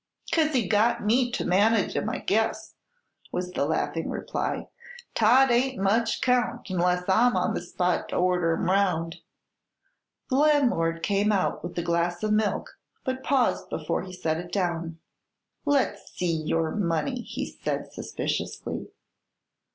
"'Cause he got me to manage him, I guess," was the laughing reply. "Todd ain't much 'count 'nless I'm on the spot to order him 'round." The landlord came out with the glass of milk but paused before he set it down. "Let's see your money," he said suspiciously.